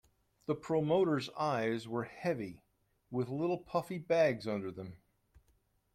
The promoter's eyes were heavy, with little puffy bags under them.